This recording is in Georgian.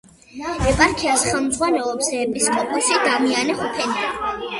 ეპარქიას ხელმძღვანელობს ეპისკოპოსი დამიანე ხუფენია.